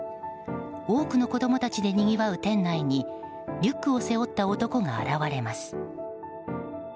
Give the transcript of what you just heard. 多くの子供たちでにぎわう店内にリュックを背負った男が現れます。